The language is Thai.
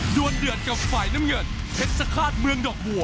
วนเดือดกับฝ่ายน้ำเงินเพชรสะฆาตเมืองดอกบัว